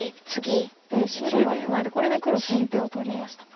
で白はツナいでこれで黒先手を取りました。